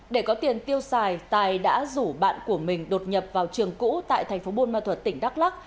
để có tiền tiêu xài tài đã rủ bạn của mình đột nhập vào trường cũ tại thành phố buôn ma thuật tỉnh đắk lắc